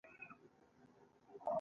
موږ جګړه نه غواړو خو نړئ مو نه پریږدي